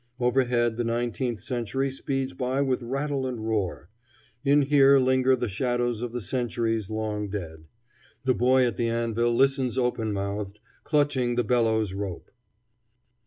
Overhead the nineteenth century speeds by with rattle and roar; in here linger the shadows of the centuries long dead. The boy at the anvil listens open mouthed, clutching the bellows rope.